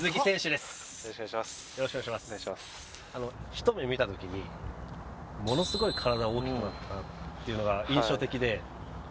ひと目見た時にものすごい体が大きくなったなっていうのが印象的で。